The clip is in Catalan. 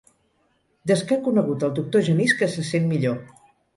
Des que ha conegut el doctor Genís que se sent millor.